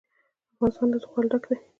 افغانستان له زغال ډک دی.